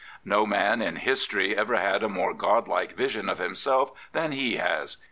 No man in history ever had a more god like vision of himself than he has.